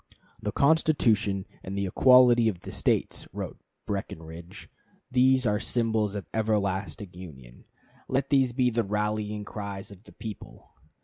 "The Constitution and the equality of the States," wrote Breckinridge, "these are symbols of everlasting union. Let these be the rallying cries of the people."